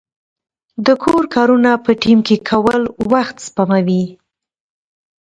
د کور کارونه په ټیم کې کول وخت سپموي.